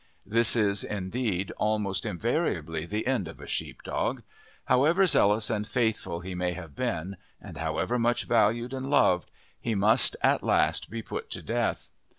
This is indeed almost invariably the end of a sheepdog; however zealous and faithful he may have been, and however much valued and loved, he must at last be put to death.